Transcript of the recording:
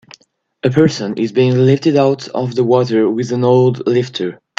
A person is being lifted out of the water with an old lifter.